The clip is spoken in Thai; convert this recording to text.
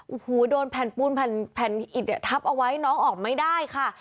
โอ้โหโดนแผ่นปูนแผ่นอิดเนี่ยทับเอาไว้น้องออกไม่ได้ค่ะ